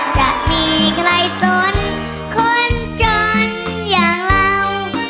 จะมีใครสนคนจนอย่างเรา